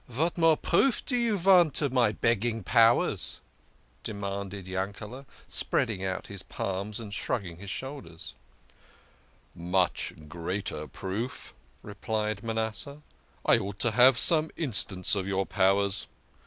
"' VAT MORE PROOF DO YOU VANT ?'" "Vat more proof do you vant of my begging powers?" demanded Yankele, spreading out his palms and shrugging his shoulders. " Much greater proof," replied Manasseh. " I ought to have some instance of your powers.